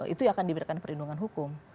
itu yang akan diberikan perlindungan hukum